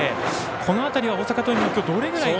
この辺りは大阪桐蔭はどれぐらい。